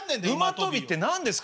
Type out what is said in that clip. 馬跳びって何ですか？